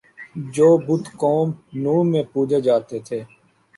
جو بت قوم نوح میں پوجے جاتے تھے